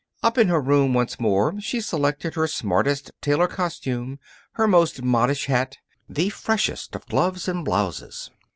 Up in her room once more, she selected her smartest tailor costume, her most modish hat, the freshest of gloves and blouses.